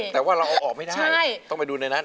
แต่ว่าเราเอาออกไม่ได้ต้องไปดูในนั้น